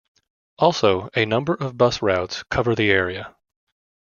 Also a number of bus routes cover the area.